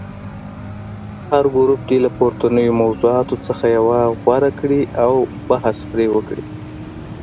هر ګروپ دې له پورتنیو موضوعاتو څخه یوه غوره کړي او بحث پرې وکړي.